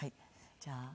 じゃあ。